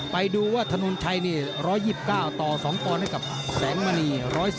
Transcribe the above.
ไปดูว่าถนนชัยนี่๑๒๙ต่อ๒ปอนด์ให้กับแสงมณี๑๔